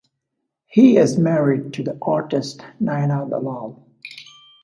He is married to the artist Naina Dalal.